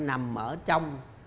nằm ở trong